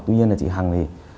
tuy nhiên chị hằng